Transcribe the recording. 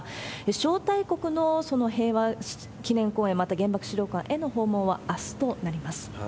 招待国の平和記念公園、また原爆資料館への訪問はあすとなります。